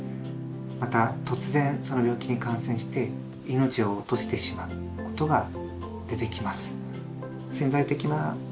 また突然その病気に感染して命を落としてしまうことが出てきます。